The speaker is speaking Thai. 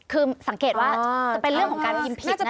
คือสังเกตว่าจะเป็นเรื่องของการพิมพ์ผิดนั่นแหละ